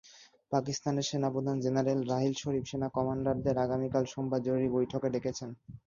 পাকিস্তানের সেনাপ্রধান জেনারেল রাহিল শরিফ সেনা কমান্ডারদের আগামীকাল সোমবার জরুরি বৈঠকে ডেকেছেন।